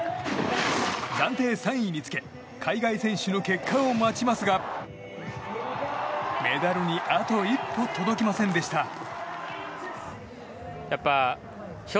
暫定３位につけ海外選手の結果を待ちますがメダルにあと一歩届きませんでした。